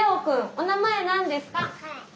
お名前何ですか？